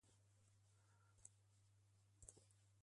The former passes quite close to the south side of the church.